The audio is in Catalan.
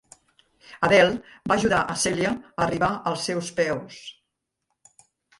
Adele va ajudar a Cèlia a arribar als seus peus.